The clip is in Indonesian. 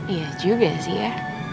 iya juga sih ya